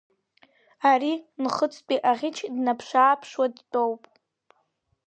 Ари Нхыҵтәи аӷьыч днаԥш-ааԥшуа дтәоуп.